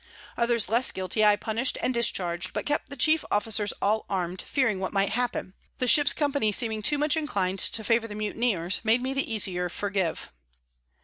Others less guilty I punish'd and discharg'd, but kept the chief Officers all arm'd, fearing what might happen; the Ship's Company seeming too much inclin'd to favour the Mutineers, made me the easier forgive.